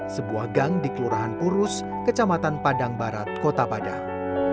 sebuah gang di kelurahan purus kecamatan padang barat kota padang